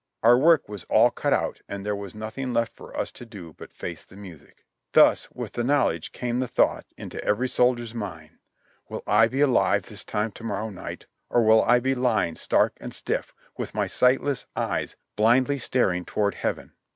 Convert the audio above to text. Our work was all cut out and there was nothing left for us to do but face the music. Thus with the knowledge came the thought into every soldier's mind, ''Will I be alive this time to morrow night, or will I be lying stark and stiff, with my sightless eyes blindly staring toward heaven?